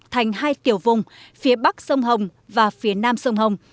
thành hai tiểu vùng phía bắc sông hồng và phía nam sông hồng